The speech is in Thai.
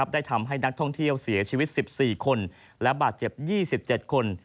ได้ทำให้นักท่องเที่ยวเสียชีวิต๑๔คนและบาดเจ็บ๒๗คน